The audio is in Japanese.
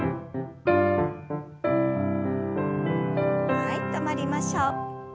はい止まりましょう。